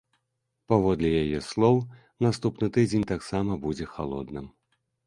Паводле яе слоў, наступны тыдзень таксама будзе халодным.